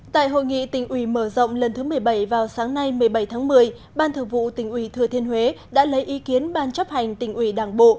tại hội nghị tỉnh ủy mở rộng lần thứ một mươi bảy vào sáng nay một mươi bảy tháng một mươi ban thượng vụ tỉnh ủy thừa thiên huế đã lấy ý kiến ban chấp hành tỉnh ủy đảng bộ